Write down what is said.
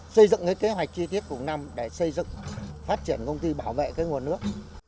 xây dựng cái kế hoạch chi tiết của năm để xây dựng phát triển công ty bảo vệ cái nguồn nước